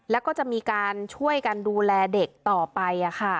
แล้วก็จะมีการช่วยกันดูแลเด็กต่อไป